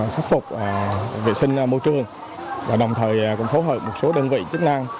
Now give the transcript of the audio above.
khắc phục vệ sinh môi trường và đồng thời cũng phối hợp một số đơn vị chức năng